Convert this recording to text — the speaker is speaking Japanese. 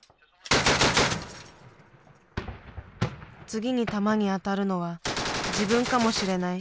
次に弾に当たるのは自分かもしれない。